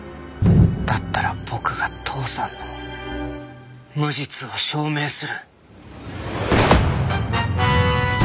だったら僕が父さんの無実を証明する！